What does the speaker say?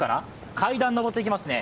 階段を上っていきますね。